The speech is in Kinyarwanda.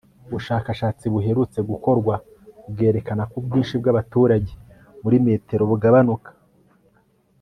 Ubushakashatsi buherutse gukorwa bwerekana ko ubwinshi bwabaturage muri metero bugabanuka